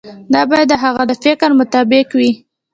دا باید د هغه د فکر مطابق وي.